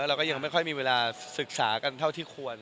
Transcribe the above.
เราก็ยังไม่ค่อยมีเวลาศึกษากันเท่าที่ควร